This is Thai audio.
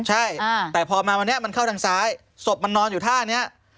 ใช่แต่พอมาวันนี้มันเข้าทางซ้ายศพมันนอนอยู่ท่านี้